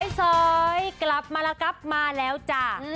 เฉยเฉยกลับมาแล้วกลับมาแล้วจ้า